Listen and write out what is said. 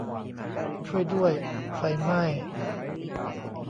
ช่วยด้วย ! ไฟไหม้ !